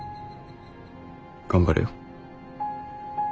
頑張れよ。